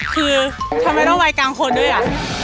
คือทำไมต้องวัยกลางคนด้วยอ่ะ